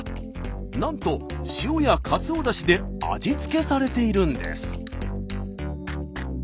なんと塩やカツオだしで味付けされているんです。